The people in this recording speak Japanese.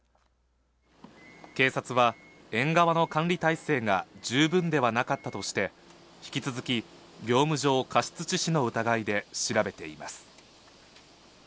警察は、園側の管理体制が十分ではなかったとして、引き続き、業務上過失致死の疑いで調べています。